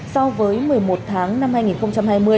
so với một mươi một tháng năm hai nghìn hai mươi